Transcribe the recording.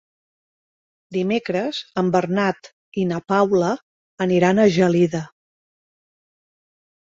Dimecres en Bernat i na Paula aniran a Gelida.